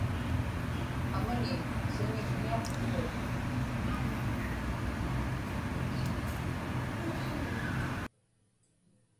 amani siñigniaqtuguk